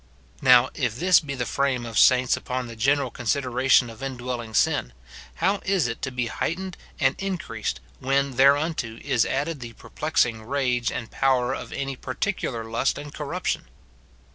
Now, if this be the frame of saints upon the general con sideration of indwelling sin, how is it to be heightened and increased when thereunto is added the perplexing rage and power of any particular lust and corruption